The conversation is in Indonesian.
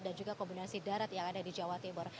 dan juga kombinasi darat yang ada di jawa timur